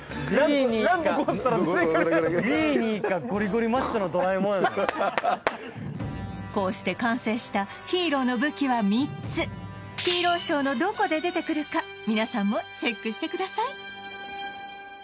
ジーニーかこうして完成したヒーローの武器は３つヒーローショーのどこで出てくるか皆さんもチェックしてください